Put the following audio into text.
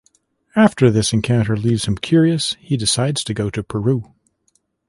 After this encounter leaves him curious, he decides to go to Peru.